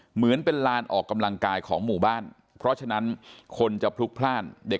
เหมือนเป็นลานออกกำลังกายของหมู่บ้านเพราะฉะนั้นคนจะพลุกพลาดเด็ก